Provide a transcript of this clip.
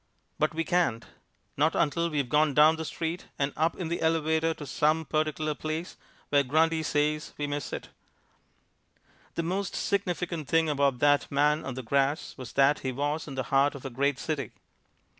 But we can't, not until we've gone down the street and up in the elevator to some particular place where Grundy says we may sit. The most significant thing about that man on the grass was that he was in the heart of a great city.